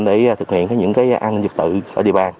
để thực hiện những cái an ninh dịch tự ở địa bàn